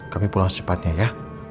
kami pulang secepatnya ya